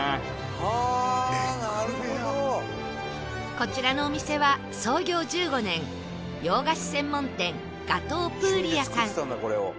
こちらのお店は創業１５年洋菓子専門店ガトー・プーリアさん